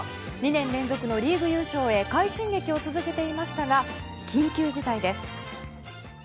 ２年連続のリーグ優勝へ快進撃を続けていましたが緊急事態です。